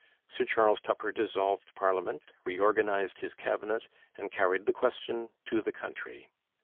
Sir Charles Tupper dissolved parliament, reorganized his Cabinet, and carried the question to the country.